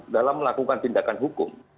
dalam melakukan tindakan hukum